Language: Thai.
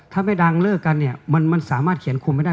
ถ้าไม่ดังเลิกกันเนี่ยมันสามารถเขียนคุมไม่ได้